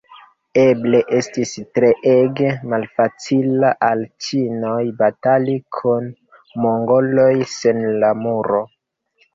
Eble estis treege malfacila al ĉinoj batali kun mongoloj sen la Muro.